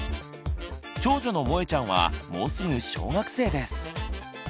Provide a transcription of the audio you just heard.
長女のもえちゃんはもうすぐ小学生です。